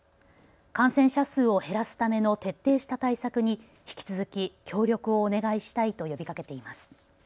感染者数を減らすための徹底した対策に引き続き協力をお願いしたいと呼びかけています。